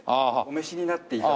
お召しになって。